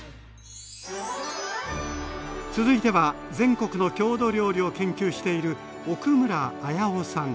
続いては全国の郷土料理を研究している奥村彪生さん。